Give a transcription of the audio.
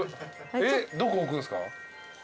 えっどこ置くんすか？